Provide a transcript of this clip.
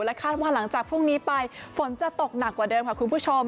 คาดว่าหลังจากพรุ่งนี้ไปฝนจะตกหนักกว่าเดิมค่ะคุณผู้ชม